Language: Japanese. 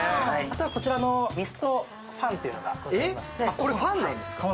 こちらのミストファンというのがございまして。